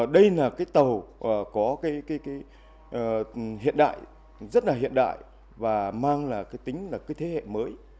đây là tàu có hiện đại rất hiện đại và mang tính thế hệ mới